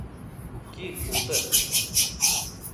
Кил, ултыр!